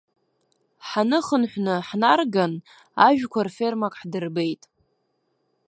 Ҳаныхынҳәы, ҳнарган, ажәқәа рфермак ҳдырбеит.